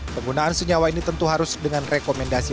penggunaan senyawa ini tentu harus dengan rekomendasi